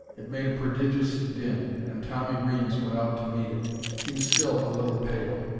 It made a prodigious din, and Tommy Reames went out to meet it. He was still a little pale.